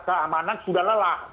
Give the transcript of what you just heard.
keamanan sudah lelah